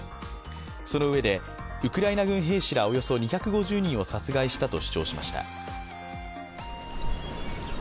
そのうえで、ウクライナ軍兵士らおよそ２５０人を殺害したと主張しました。